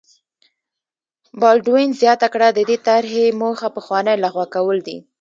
بالډوین زیاته کړه د دې طرحې موخه پخوانۍ لغوه کول دي.